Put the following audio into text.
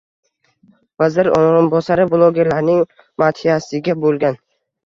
Vazir o'rinbosari bloggerlarning madhiyasiga bo'lgan